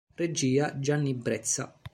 Regia: Gianni Brezza